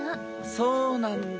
そうなんだ。